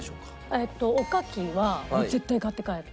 えっとおかきはもう絶対買って帰る。